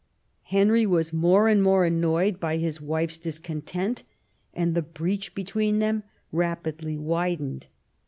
Henry was more and more annoyed by his wife's discontent, and the breach between them rapidly widened.